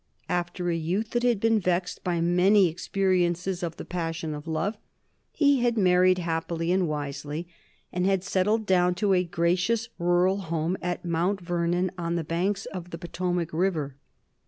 After a youth that had been vexed by many experiences of the passion of love he had married happily and wisely, and had settled down to a gracious rural life at Mount Vernon, on the banks of the Potomac River.